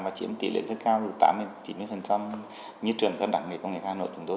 và chiếm tỷ lệ rất cao từ tám mươi chín mươi như trường các đảng nghề công nghệ hà nội chúng tôi